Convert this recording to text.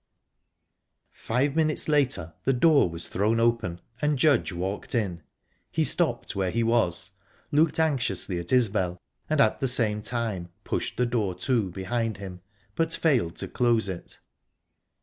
Five minutes later the door was thrown open, and Judge walked in. He stopped where he was, looked anxiously at Isbel and at the same time pushed the door to, behind him, but failed to close it.